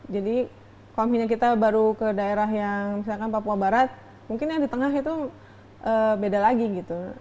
jadi kalau kita baru ke daerah yang misalkan papua barat mungkin yang di tengah itu beda lagi gitu